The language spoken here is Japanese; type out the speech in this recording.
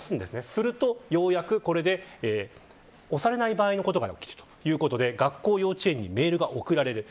すると、ようやくこれで押されない場合のことがあるということで学校幼稚園にメールが送られる。